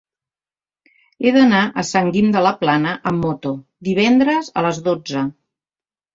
He d'anar a Sant Guim de la Plana amb moto divendres a les dotze.